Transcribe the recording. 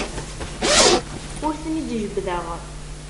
Ur ten-id-jebbdeɣ.